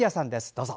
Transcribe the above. どうぞ。